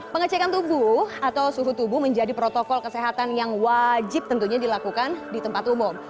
pengecekan tubuh atau suhu tubuh menjadi protokol kesehatan yang wajib tentunya dilakukan di tempat umum